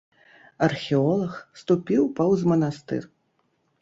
Археолаг ступіў паўз манастыр.